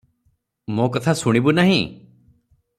ମୋ’ କଥା ଶୁଣିବୁ ନାହିଁ?